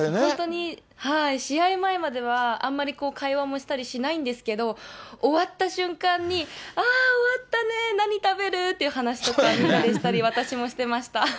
本当に、試合前まではあんまり会話もしたりしないんですけど、終わった瞬間に、あー、終わったね、何食べる？っていう話とかみんなでしたり、私もしてました。